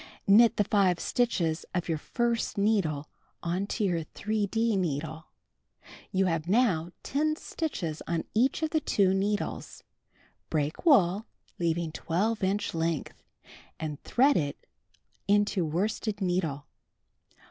Knit the 5 stitches of your 1st needle onto your 3d needle. You have now 10 stitches on each of the two needles. Break wool (leaving 12 inch length) and thread it into worsted needle.